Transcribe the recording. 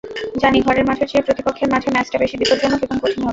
জানি, ঘরের মাঠের চেয়ে প্রতিপক্ষের মাঠে ম্যাচটা বেশি বিপজ্জনক এবং কঠিন হবে।